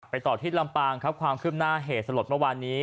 ต่อที่ลำปางครับความคืบหน้าเหตุสลดเมื่อวานนี้